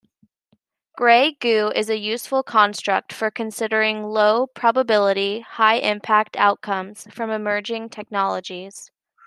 Grey goo is a useful construct for considering low-probability, high-impact outcomes from emerging technologies.